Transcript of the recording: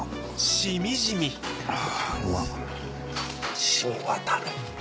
染み渡る。